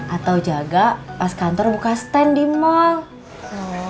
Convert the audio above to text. atau jaga pas kantor buka stand di mall